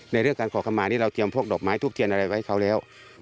เรื่องการขอคำมานี่เราเตรียมพวกดอกไม้ทูบเทียนอะไรไว้เขาแล้ว